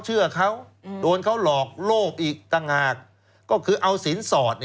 เชื่อเขาโดนเขาหลอกโลกอีกต่างหากก็คือเอาสินสอด